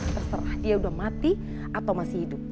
terserah dia sudah mati atau masih hidup